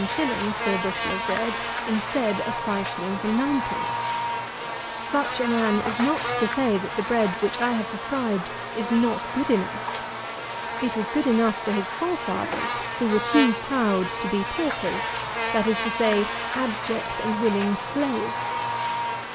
_ for a bushel of bread instead of 5_s._ 9_d._ Such a man is not to say that the bread which I have described is not good enough. It was good enough for his forefathers, who were too proud to be paupers, that is to say, abject and willing slaves.